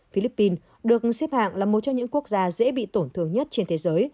philippines được xếp hạng là một trong những quốc gia dễ bị tổn thương nhất trên thế giới